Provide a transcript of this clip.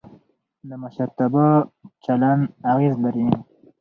د مشرتابه چلند اغېز لري